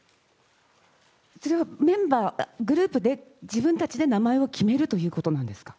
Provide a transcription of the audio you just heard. それはメンバー、グループで、自分たちで名前を決めるということなんですか。